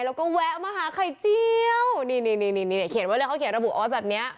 แล้วก็แวะมาหาไข่เจียวนี่เพราะมันเขาเขียนรับบุคอฤย์แบบเนี้ย